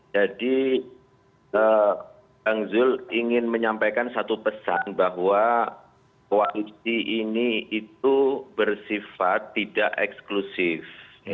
jadi bang zul ingin menyampaikan satu pesan bahwa koalisi ini itu bersifat tidak eksklusif